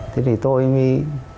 thế thì tôi